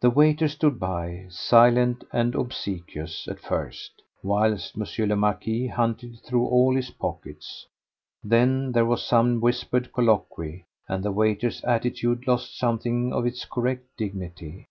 The waiter stood by, silent and obsequious at first, whilst M. le Marquis hunted through all his pockets. Then there was some whispered colloquy, and the waiter's attitude lost something of its correct dignity.